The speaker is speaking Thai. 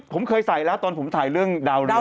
ผมเคยใส่แล้วตอนผมถ่ายเรื่องดาวเรือง